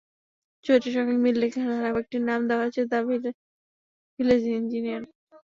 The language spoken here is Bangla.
চরিত্রের সঙ্গে মিল রেখে ধারাবাহিকটির নাম দেওয়া হয়েছে দ্য ভিলেজ ইঞ্জিনিয়ার।